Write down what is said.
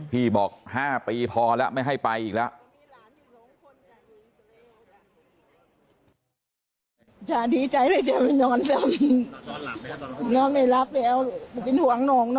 พี่บอก๕ปีพอแล้วไม่ให้ไปอีกแล้ว